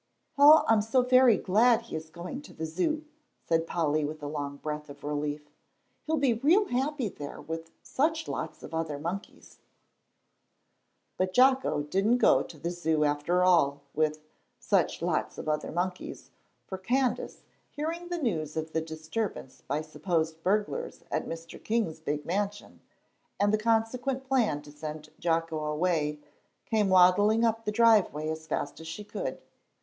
"Oh, I'm so very glad he is going to the Zoo," said Polly, with a long breath of relief, "he'll be real happy there with such lots of other monkeys." But Jocko didn't go to the Zoo after all with "such lots of other monkeys," for Candace, hearing the news of the disturbance by supposed burglars at Mr. King's big mansion, and the consequent plan to send Jocko away, came waddling up the driveway as fast as she could.